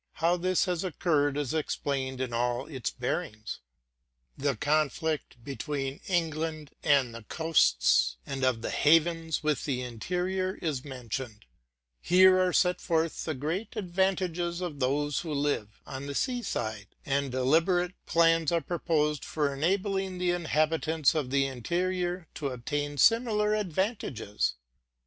How this has occurred, is explained in all its bearings. The conflict between England and the coasts, and of the havens with the interior, is men tioned: here are set forth the great advantages of those who live on the seaside, and deliberate plans are proposed for enabling the inhabitants of the interior to obtain similar ad vantages.